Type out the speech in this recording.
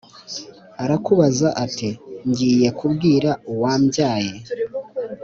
Arakabuza ati: ngiye Kubwira uwambyaye